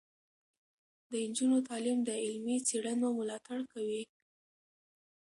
د نجونو تعلیم د علمي څیړنو ملاتړ کوي.